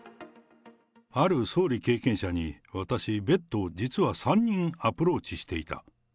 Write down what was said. ある総理経験者に、私、別途、実は３人アプローチしていた。